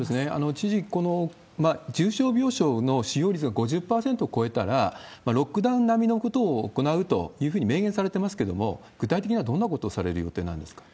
知事、この重症病床の使用率が５０％を超えたら、ロックダウン並みのことを行うというふうに明言されてますけれども、具体的にはどんなことをされる予定なんですか？